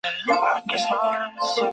全株可做中药材。